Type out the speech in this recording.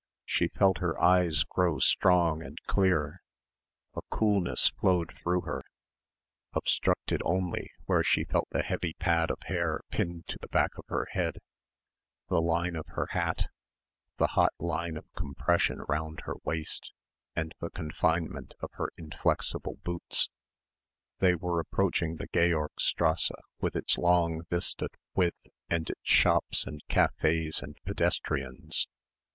She felt her eyes grow strong and clear; a coolness flowed through her obstructed only where she felt the heavy pad of hair pinned to the back of her head, the line of her hat, the hot line of compression round her waist and the confinement of her inflexible boots. They were approaching the Georgstrasse with its long vistaed width and its shops and cafés and pedestrians.